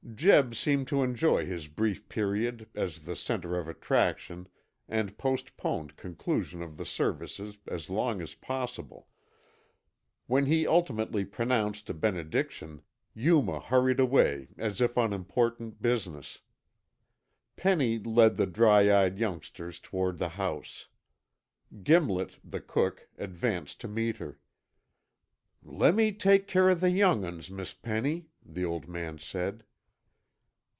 Jeb seemed to enjoy his brief period as the center of attraction and postponed conclusion of the services as long as possible. When he ultimately pronounced a benediction, Yuma hurried away as if on important business. Penny led the dry eyed youngsters toward the house. Gimlet, the cook, advanced to meet her. "Lemme take care o' the young 'uns, Miss Penny," the old man said.